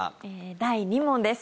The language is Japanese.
第２問です。